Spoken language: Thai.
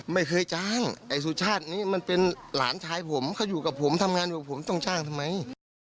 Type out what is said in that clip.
ไม่เคยจ้างไอ้สุชาตินี้มันเป็นหลานชายผมเขาอยู่กับผมทำงานอยู่ผมต้องจ้างทำไม